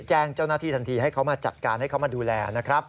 แจ้งเจ้าหน้าที่ทันทีให้เขามาจัดการให้เขามาดูแลนะครับ